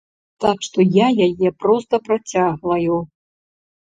Так што я яе проста працягваю.